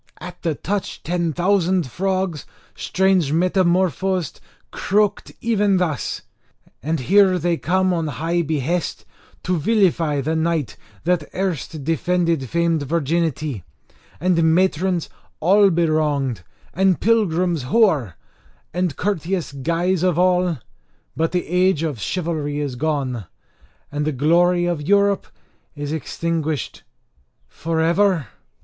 At the touch ten thousand frogs, strange metamorphosed, croaked even thus: And here they come, on high behest, to vilify the knight that erst defended famed virginity, and matrons all bewronged, and pilgrims hoar, and courteous guise of all! But the age of chivalry is gone, and the glory of Europe is extinguished for ever?"